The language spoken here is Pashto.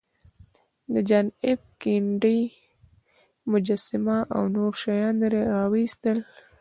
د جان ایف کینیډي مجسمه او نور شیان یې راویستل